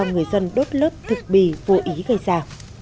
người dân đốt lớp thực bì vô ý gây ra